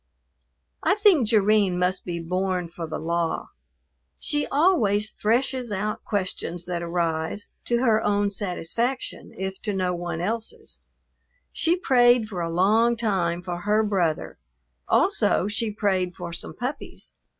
I think Jerrine must be born for the law. She always threshes out questions that arise, to her own satisfaction, if to no one else's. She prayed for a long time for her brother; also she prayed for some puppies.